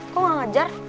kok gak ngajar